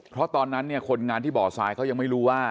เพราะตอนนั้นเนี่ยคนงานที่บ่อทรายเขายังไม่รู้ว่า